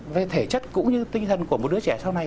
về thể chất cũng như tinh thần của một đứa trẻ sau này